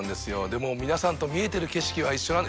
でも皆さんと見えてる景色は一緒なんで。